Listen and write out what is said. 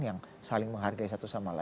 yang saling menghargai satu sama lain